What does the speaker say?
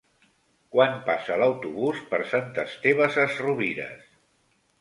Quan passa l'autobús per Sant Esteve Sesrovires?